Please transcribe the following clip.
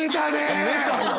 攻めたな！